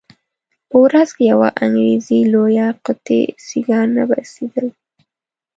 په ورځ کې یوه انګریزي لویه قطي سیګار نه بسېدل.